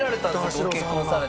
ご結婚されて。